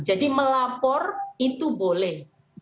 jadi melapor itu boleh